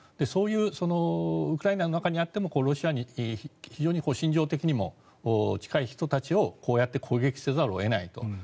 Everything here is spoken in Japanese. そういうウクライナの中にあってもロシアに非常に心情的にも近い人たちをこうやって攻撃せざるを得ないと。